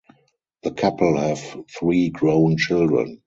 The couple have three grown children.